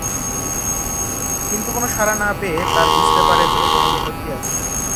কিন্তু কোন সাড়া না পেয়ে তার বুঝতে পারে যে কোন বিপত্তি আছে।